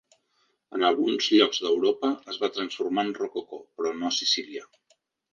En alguns llocs d'Europa es va transformar en rococó, però no a Sicília.